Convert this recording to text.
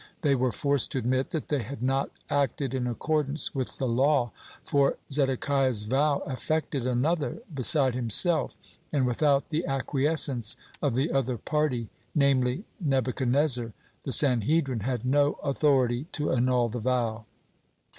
(3) They were forced to admit, that they had not acted in accordance with the law, for Zedekiah's vow affected another beside himself, and without the acquiescence of the other party, namely, Nebuchadnezzar, the Sanhedrin had no authority to annul the vow.